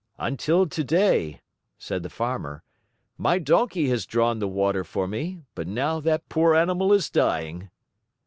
"Until today," said the Farmer, "my donkey has drawn the water for me, but now that poor animal is dying."